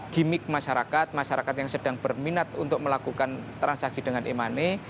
gimmick masyarakat masyarakat yang sedang berminat untuk melakukan transaksi dengan e money